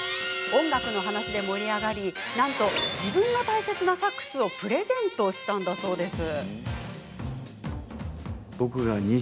音楽の話で盛り上がりなんと、自分の大切なサックスをプレゼントしたんだそうです。